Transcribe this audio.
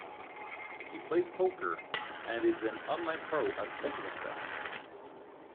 He plays poker and is an online pro at UltimateBet.